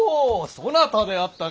そなたであったか。